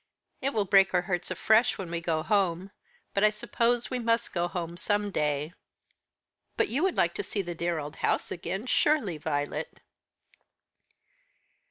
"It will break our hearts afresh when we go home, but I suppose we must go home some day." "But you would like to see the dear old house again, surely, Violet?"